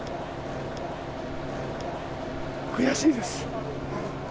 悔しいです。